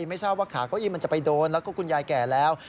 ไม่ทราบว่าขาเก้าอี้มันจะไปโดนแล้วก็คุณยายแก่แล้ว